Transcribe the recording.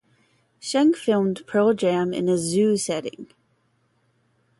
Schenck filmed Pearl Jam in a zoo setting.